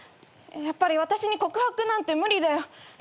やっぱり私に告白なんて無理だよ。